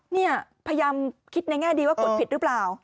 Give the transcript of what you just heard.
นี่พยายามคิดแน่ดีว่ากดผิดรึเปล่า